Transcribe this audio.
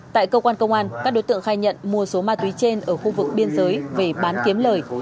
tại cơ quan công an các đối tượng khai nhận mua số ma túy trên ở khu vực biên giới về bán kiếm lời